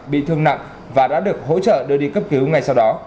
bị thương nặng và đã được hỗ trợ đưa đi cấp cứu ngay sau đó